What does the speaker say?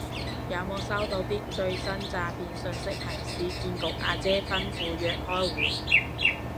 有冇收到啲最新詐騙訊息係市建局阿姐吩咐約開會